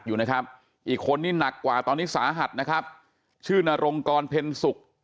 อื่กชื่อศรนรงกรเพนสุก